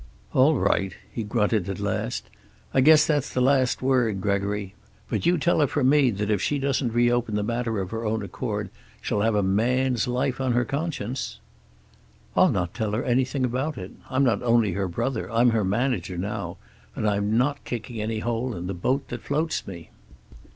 "All right," he grunted at last. "I guess that's the last word, Gregory. But you tell her from me that if she doesn't reopen the matter of her own accord, she'll have a man's life on her conscience." "I'll not tell her anything about it. I'm not only her brother; I'm her manager now. And I'm not kicking any hole in the boat that floats me."